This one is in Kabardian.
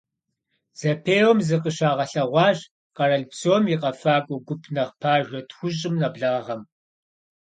Зэпеуэм зыкъыщагъэлъэгъуащ къэрал псом и къэфакӀуэ гуп нэхъ пажэ тхущӀым нэблагъэм.